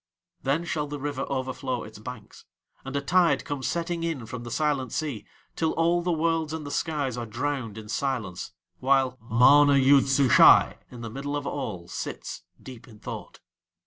Then shall the River overflow its banks, and a tide come setting in from the Silent Sea, till all the Worlds and the Skies are drowned in silence; while MANA YOOD SUSHAI in the Middle of All sits deep in thought.